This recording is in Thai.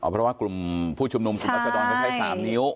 เพราะว่ากลุ่มผู้ชุมนุมกุลฮัอสตรอนคือใช้๓นิ้ว